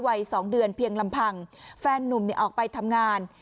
วัย๒เดือนเพียงลำพังแฟนนุ่มออกไปทำงาน